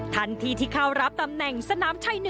ทันทีที่เข้ารับตำแหน่งสนามชัย๑